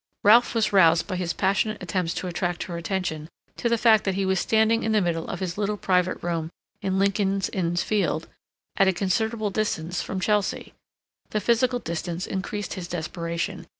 Ralph was roused by his passionate attempts to attract her attention to the fact that he was standing in the middle of his little private room in Lincoln's Inn Fields at a considerable distance from Chelsea. The physical distance increased his desperation.